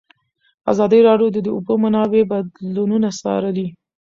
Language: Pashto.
ازادي راډیو د د اوبو منابع بدلونونه څارلي.